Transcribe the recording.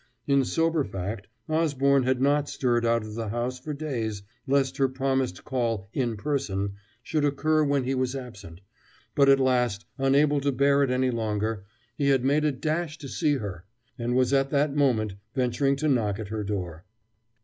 In sober fact, Osborne had not stirred out of the house for days, lest her promised call "in person" should occur when he was absent, but at last, unable to bear it any longer, he had made a dash to see her, and was at that moment venturing to knock at her door.